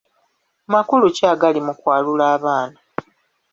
Makulu ki agali mu kwalula abaana?